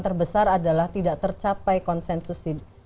terbesar adalah tidak tercapai konsensus